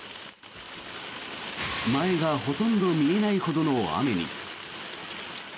前がほとんど見えないほどの雨に。